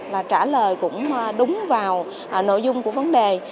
và trả lời cũng đúng vào nội dung của vấn đề